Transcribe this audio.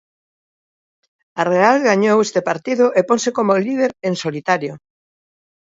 A Real gañou este partido e ponse como líder en solitario.